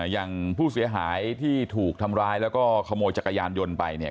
อย่างผู้เสียหายที่ถูกทำร้ายแล้วก็ขโมยจักรยานยนต์ไปเนี่ย